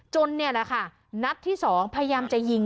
นี่แหละค่ะนัดที่๒พยายามจะยิง